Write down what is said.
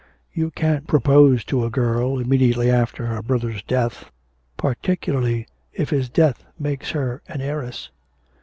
You can't propose to a girl immediately after her brother's death, particularly if his death makes her an heiress.